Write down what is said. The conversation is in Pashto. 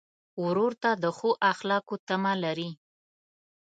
ورور ته د ښو اخلاقو تمه لرې.